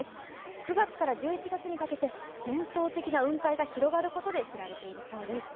９月から１１月にかけて幻想的な雲海が広がることで知られているそうです。